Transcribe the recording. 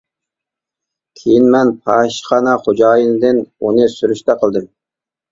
كېيىن مەن پاھىشىخانا خوجايىنىدىن ئۇنى سۈرۈشتە قىلدىم.